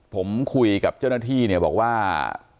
ผมคุยกับเจ้าหน้าที่เนี่ยบอกว่า